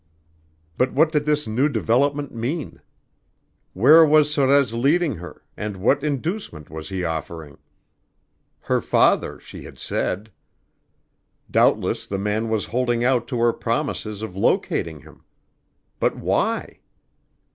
But what did this new development mean? Where was Sorez leading her, and what inducement was he offering? Her father she had said. Doubtless the man was holding out to her promises of locating him. But why?